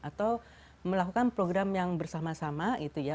atau melakukan program yang bersama sama gitu ya